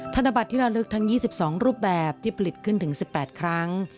ธนบัตรที่ระลึกทั้ง๒๒รูปแบบที่ผลิตขึ้นถึง๑๘ครั้ง